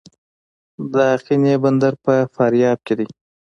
د اقینې بندر په فاریاب کې دی